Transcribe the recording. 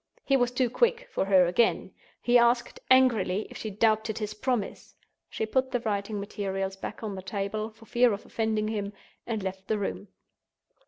He was too quick for her again. He asked, angrily, if she doubted his promise. She put the writing materials back on the table, for fear of offending him, and left the room.